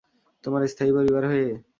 তোমার স্থায়ী পরিবার হয়ে?